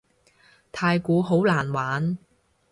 太鼓好難玩